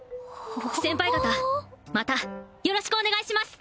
先輩方またよろしくお願いします